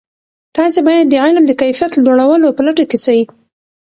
تاسې باید د علم د کیفیت لوړولو په لټه کې سئ.